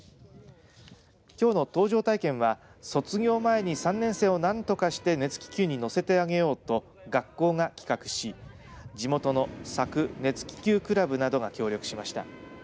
きょうの搭乗体験は卒業前に３年生をなんとかして熱気球に乗せてあげようと学校が企画し地元の佐久熱気球クラブなどが協力しました。